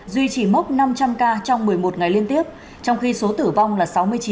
duy trì mốc năm trăm linh ca trong một mươi một ngày liên tiếp trong khi số tử vong là sáu mươi chín